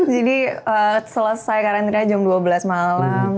selesai karantina jam dua belas malam